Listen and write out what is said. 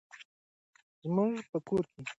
زموږ په کور کي د ښادۍ ساعت حرام دی